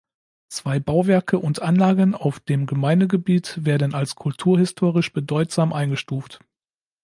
Zwei Bauwerke und Anlagen auf dem Gemeindegebiet werden als kulturhistorisch bedeutsam eingestuft.